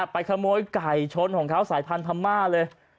ไปขโมยไก่ชนของเขาสายพันธม่าเลย